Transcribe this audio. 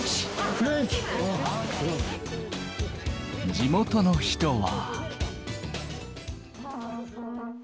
地元の人は。